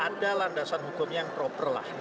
ada landasan hukum yang proper lah